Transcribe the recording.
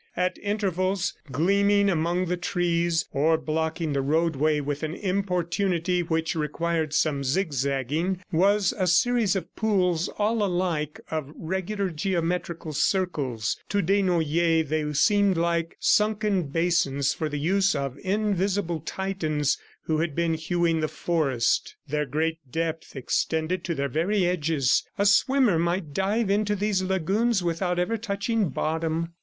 At intervals gleaming among the trees or blocking the roadway with an importunity which required some zigzagging was a series of pools, all alike, of regular geometrical circles. To Desnoyers, they seemed like sunken basins for the use of the invisible Titans who had been hewing the forest. Their great depth extended to their very edges. A swimmer might dive into these lagoons without ever touching bottom.